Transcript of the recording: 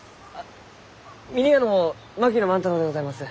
峰屋の槙野万太郎でございます。